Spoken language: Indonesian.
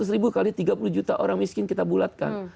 seratus ribu kali tiga puluh juta orang miskin kita bulatkan